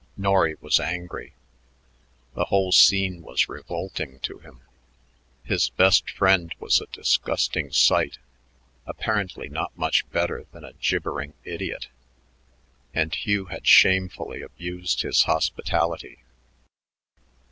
Norry was angry. The whole scene was revolting to him. His best friend was a disgusting sight, apparently not much better than a gibbering idiot. And Hugh had shamefully abused his hospitality.